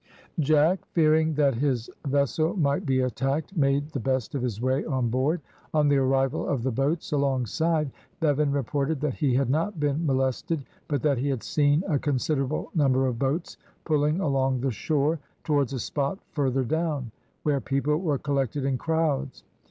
Jack fearing that his vessel might be attacked, made the best of his way on board. On the arrival of the boats alongside, Bevan reported that he had not been molested, but that he had seen a considerable number of boats pulling along the shore, towards a spot further down, where people were collected in crowds.